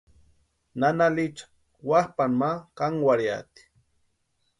Nana Licha wapʼani ma kánkwarhiati.